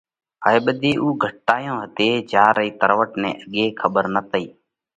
هائي ٻڌي اُو گھٽتايون هتي جيا رئي تروٽ نئہ اڳي کٻر نتئِي۔